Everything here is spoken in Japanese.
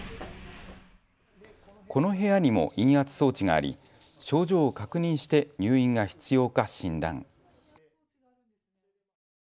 この部屋にも陰圧装置があり、症状を確認して入院が必要か診断。